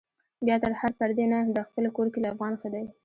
بيا تر هر پردي نه، د خپل کور کلي افغان ښه دی